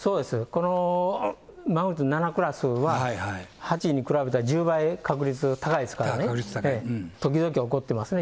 このマグニチュード７クラスは、８に比べたら１０倍確率高いですからね、時々起こってますね。